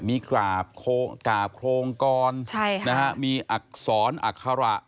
มีกราบโครงกรมีอักษรอัคระ